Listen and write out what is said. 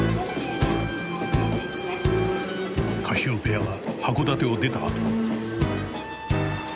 カシオペアが函館を出たあと。